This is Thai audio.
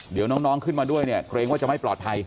เดี๋ยวน้องขึ้นมาด้วยเนี่ยเกรงว่าจะไม่ปลอดภัย